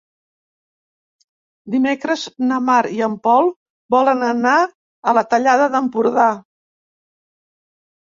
Dimecres na Mar i en Pol volen anar a la Tallada d'Empordà.